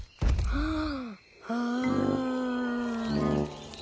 はあ？